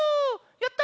やった！